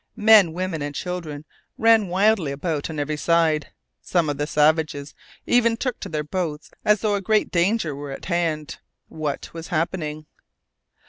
Men, women, and children ran wildly about on every side. Some of the savages even took to their boats as though a great danger were at hand. What was happening?